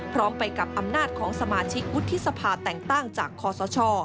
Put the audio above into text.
พร้อมไปกับอำนาจของสมาชิกวุฒิสภาแต่งตั้งจากคอสช